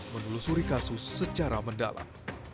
menelusuri kasus secara mendalam